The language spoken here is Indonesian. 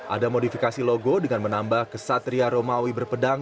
ada modifikasi logo dengan menambah kesatria romawi berpedang